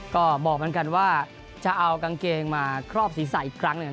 ก็บอกเหมือนกันว่าจะเอากางเกงมาครอบศีรษะอีกครั้งหนึ่ง